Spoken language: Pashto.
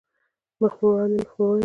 مخ په وړاندې، مخ په وړاندې